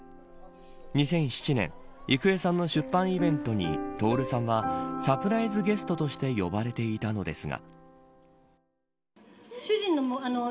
２００７年郁恵さんの出版イベントに徹さんはサプライズゲストとして呼ばれていたのですが。